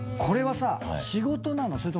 これはさ仕事なの？